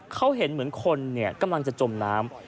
เขาเห็นเหมือนคนกำลังจะจมน้ำ